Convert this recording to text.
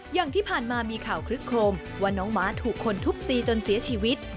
อย่างที่ผ่านมามีข่าวคลึกโครมว่าน้องม้าถูกคนทุบตีจนเสียชีวิต